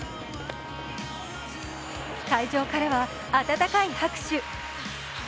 会場からは温かい拍手。